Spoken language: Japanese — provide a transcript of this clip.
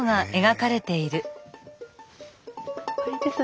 これです。